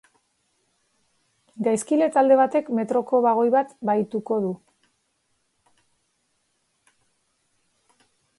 Gaizkile talde batek metroko bagoi bat bahituko du.